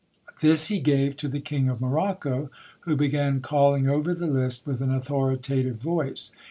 This he gave to the King of Morocco, who began calling over the list with an authoritative voice.